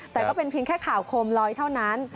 แต่ก็เป็นเพียงแค่ข่าวโคมลอยเท่านั้น